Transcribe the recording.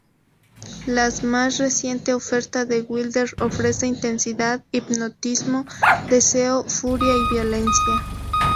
La más reciente oferta de Wilder ofrece intensidad, hipnotismo, deseo, furia, y violencia.